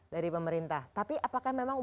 dari pemerintah tapi apakah memang